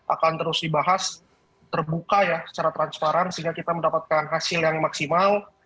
akan terus dibahas terbuka ya secara transparan sehingga kita mendapatkan hasil yang maksimal